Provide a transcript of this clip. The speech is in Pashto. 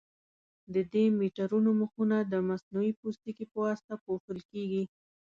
د دې میټرونو مخونه د مصنوعي پوټکي په واسطه پوښل کېږي.